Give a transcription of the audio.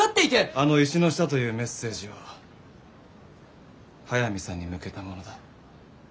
あの「石の下」というメッセージは速水さんに向けたものだ。